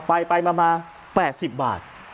ไปมา๘๐บาท